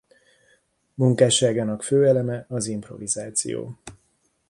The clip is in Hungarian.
Munkásságának fő eleme az improvizáció.